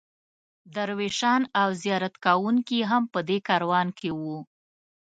درویشان او زیارت کوونکي هم په دې کاروان کې وو.